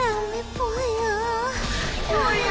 ぽよ。